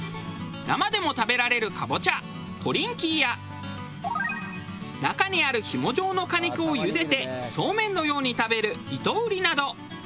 生でも食べられるカボチャコリンキーや中にあるひも状の果肉をゆでてそうめんのように食べる糸うりなど。